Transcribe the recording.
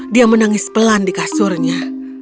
dia menangis pelan di kasurnya